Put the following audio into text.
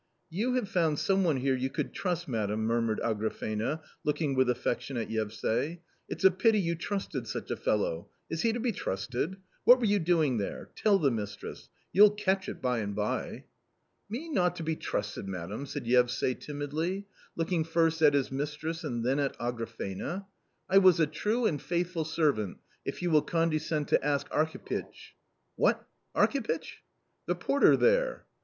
"You have found some one here you could trust, madam !" murmured Agrafena, looking with affection at Yevsay. " It's a pity you trusted such a fellow ; is he to be trusted ? What were you doing there ? Tell the mistress ! you'll catch it by and by !" A COMMON STORY 24$ " Me not to be trusted, madam !" said^e ysayT) timidly, looking first at his mistress and then at< fc AgraTeffa\ " I was a true and faithful servant, if you will condescend to ask Arhipytch." "What! Arhipytch?" " The porter there."